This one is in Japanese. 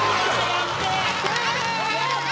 やった！